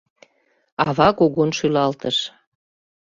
Ава кугун шӱлалтыш.